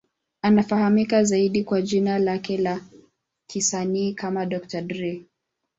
Anafahamika zaidi kwa jina lake la kisanii kama Dr. Dre.